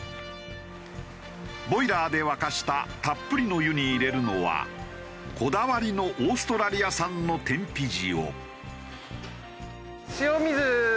ボイラーで沸かしたたっぷりの湯に入れるのはこだわりのオーストラリア産の天日塩。